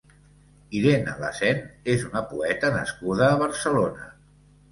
Irene La Sen és una poeta nascuda a Barcelona.